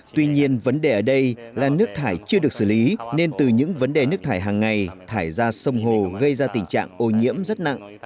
tuy nhiên vấn đề ở đây là nước thải chưa được xử lý nên từ những vấn đề nước thải hàng ngày thải ra sông hồ gây ra tình trạng ô nhiễm rất nặng